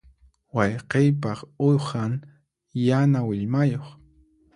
Wayqiypaq uhan yana willmayuq.